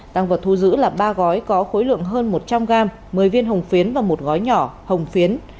tăng vật thu giữ là ba gói có khối lượng hơn một trăm linh gram một mươi viên hồng phiến và một gói nhỏ hồng phiến